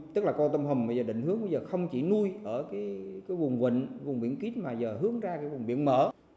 tức là con tôm hùm bây giờ định hướng bây giờ không chỉ nuôi ở cái vùng huỳnh vùng biển kít mà giờ hướng ra cái vùng biển mở